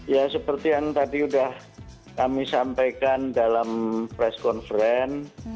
ya seperti yang tadi sudah kami sampaikan dalam press conference